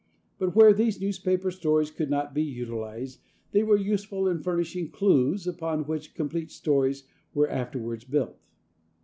But where these newspaper stories could not be utilized, they were useful in furnishing clues upon which complete stories were afterwards built.